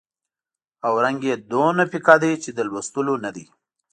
او رنګ یې دومره پیکه دی چې د لوستلو نه دی.